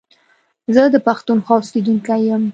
زه د پښتونخوا اوسېدونکی يم